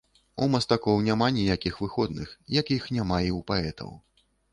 У мастакоў няма ніякіх выходных, як іх няма і ў паэтаў.